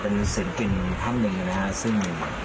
เป็นเสียงกลิ่นทั้งหนึ่งนะฮะซึ่ง